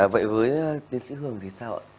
vậy với tiến sĩ hường thì sao ạ